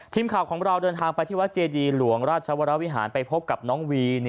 ทีมข่าวของเราเดินทางไปที่วัดเจดีหลวงราชวรวิหารไปพบกับน้องวี